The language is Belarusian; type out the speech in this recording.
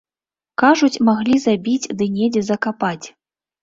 Кажуць, маглі забіць ды недзе закапаць.